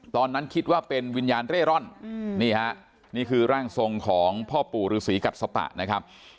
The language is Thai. ตอนนั้นคิดว่าเป็นวิญญาณเร่ร่อนนี่ฮะนี่คือร่างทรงของพ่อปู่ฤษีกัดสปะนะครับ